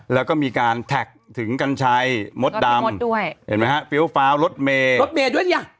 แล้วก็มีการแท็กถึงกันชัยมดดำเพี้ยวฟ้าวรถเมรถเมด้วยอย่าง